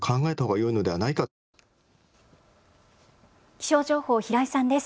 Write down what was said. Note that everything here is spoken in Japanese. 気象情報、平井さんです。